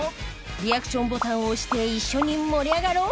リアクションボタンを押して一緒に盛り上がろう！